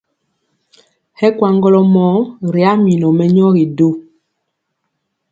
Hɛ kwaŋgɔlɔ mɔɔ ri a minɔ mɛnyɔgi du.